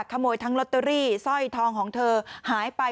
ขโมยทั้งลอตเตอรี่สร้อยทองของเธอหายไป